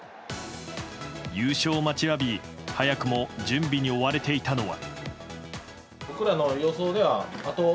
優勝を待ちわび早くも準備に追われていたのは。